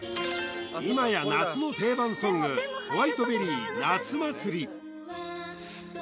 今や夏の定番ソングＷｈｉｔｅｂｅｒｒｙ「夏祭り」